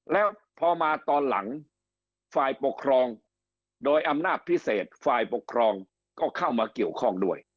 แล้วพอมาตอนหลังฝ่ายปกครองโดยอำนาจพิเศษฝ่ายปกครองก็เข้ามาเกี่ยวข้องด้วย